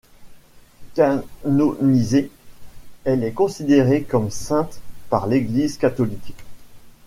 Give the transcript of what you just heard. Canonisée, elle est considérée comme sainte par l'Église catholique.